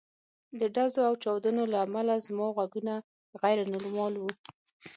د ډزو او چاودنو له امله زما غوږونه غیر نورمال وو